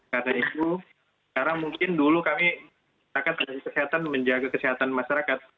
karena itu sekarang mungkin dulu kami tenaga kesehatan menjaga kesehatan masyarakat